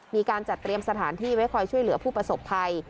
มีการจัดเตรียมสถานที่ไว้คอยช่วยเหลือผู้ประสบภัย